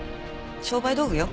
商売道具よ。